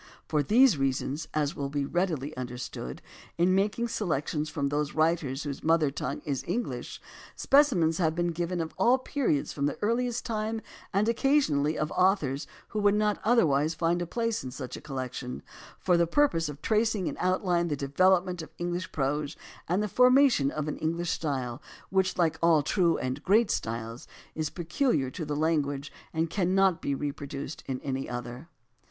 For these reasons, as will be readily understood, in making selections from those writers whose mother tongue is English, specimens have been given of all periods from the earliest time and occasionally of authors who would not otherwise find a place in such a collection, for the purpose of tracing in outline the development of English prose and the formation of an AS TO ANTHOLOGIES 237 English style which, like all true and great styles, is peculiar to the language and cannot be reproduced in any other.